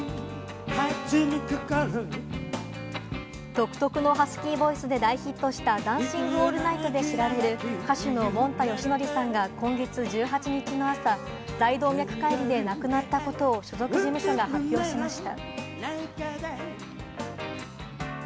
独特のハスキーボイスで大ヒットした『ダンシング・オールナイト』で知られる歌手のもんたよしのりさんが今月１８日の朝、大動脈解離で亡くなったことを所属事務所が発表しました。